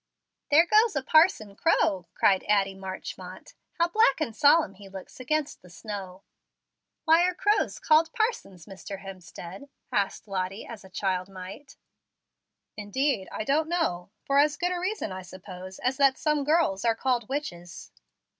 "There goes a parson crow," cried Addie Marchmont. "How black and solemn he looks against the snow!" "Why are crows called parsons, Mr. Hemstead?" asked Lottie, as a child might. "Indeed, I don't know. For as good a reason, I suppose, as that some girls are called witches."